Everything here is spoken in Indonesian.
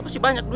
apa kabar bu